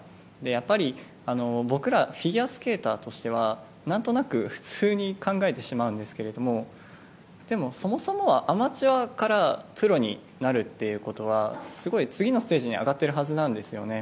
やっぱり僕らフィギュアスケーターとしては何となく普通に考えてしまうんですけどもでも、そもそもはアマチュアからプロになるってことはすごい、次のステージに上がっているはずなんですよね。